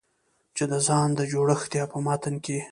چې د ځان د جوړښت يا په متن کې